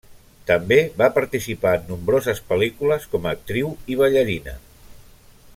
També va participar en nombroses pel·lícules com a actriu i ballarina.